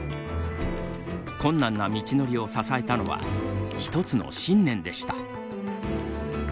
困難な道のりを支えたのはひとつの信念でした。